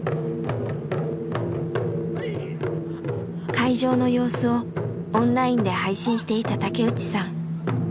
会場の様子をオンラインで配信していた竹内さん。